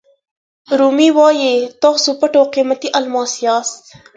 رومي وایي تاسو پټ او قیمتي الماس یاست.